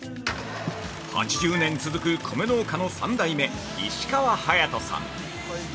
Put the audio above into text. ◆８０年続く米農家の３代目石川隼人さん。